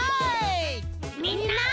みんな。